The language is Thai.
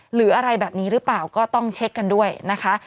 หรืออะไรแบบนี้หรือเปล่าก็ต้องเช็คกันด้วยนะคะ